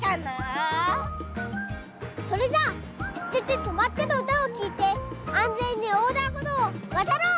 それじゃあ「ててて！とまって！」のうたをきいてあんぜんにおうだんほどうをわたろう！